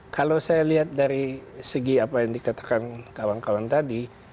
kalau saya lihat dari segi apa yang dikatakan kawan kawan tadi